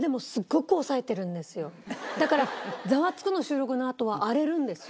だから『ザワつく！』の収録のあとは荒れるんですよ。